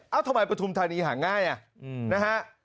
เอ้าทำไมปฐุมธานีหาง่ายอ่ะ